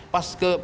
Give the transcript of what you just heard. pas ke pembeli